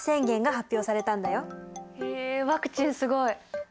へえワクチンすごい！